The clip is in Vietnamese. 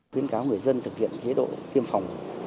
tuyên cáo người dân thực hiện kế độ tiêm phòng